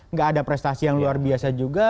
nggak ada prestasi yang luar biasa juga